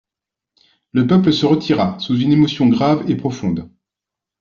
Le peuple se retira sous une émotion grave et profonde.